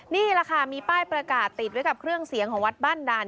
นี่แหละค่ะมีป้ายประกาศติดไว้กับเครื่องเสียงของวัดบ้านด่าน